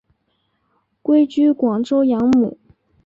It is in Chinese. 归居广州养母。